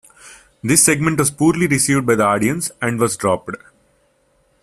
This segment was poorly received by the audience and was dropped.